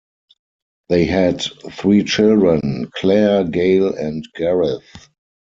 They had three children: Claire, Gail and Gareth.